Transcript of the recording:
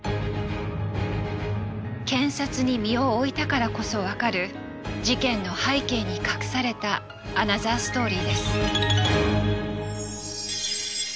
検察に身を置いたからこそ分かる事件の背景に隠されたアナザーストーリーです。